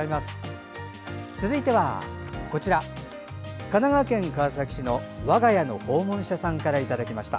続いては、神奈川県川崎市の我が家の訪問者さんから。